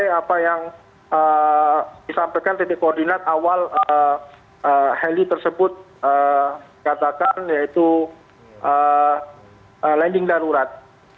apa yang disampaikan titik koordinat awal heli tersebut katakan yaitu landing darurat